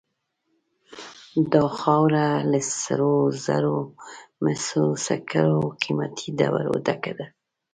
دا خاوره له سرو زرو، مسو، سکرو او قیمتي ډبرو ډکه ده.